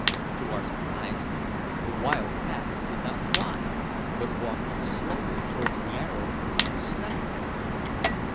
To our surprise, the wild cat did not fly, but walked slowly towards the arrow and snuffed at it.